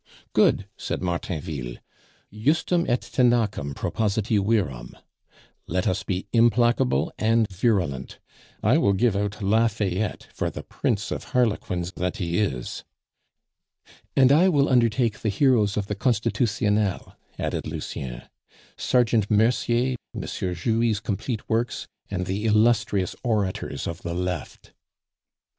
"Good!" said Martainville. "Justum et tenacem propositi virum! Let us be implacable and virulent. I will give out La Fayette for the prince of harlequins that he is!" "And I will undertake the heroes of the Constitutionnel," added Lucien; "Sergeant Mercier, M. Jouy's Complete Works, and 'the illustrious orators of the Left.